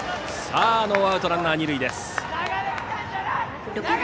さあ、ノーアウトでランナー、二塁です。